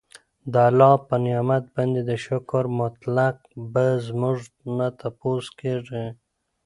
د الله په نعمت باندي د شکر متعلق به زمونږ نه تپوس کيږي